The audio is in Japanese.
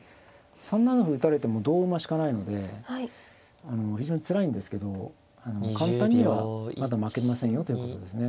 ３七歩打たれても同馬しかないので非常につらいんですけど簡単にはまだ負けませんよということですね。